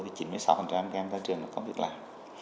tới chín mươi sáu các em ra trường có việc làm